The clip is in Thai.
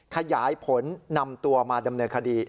ขยายผลนำตัวมาดำเนินคดี